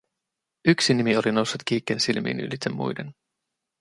Yksi nimi oli noussut Quiquen silmiin ylitse muiden: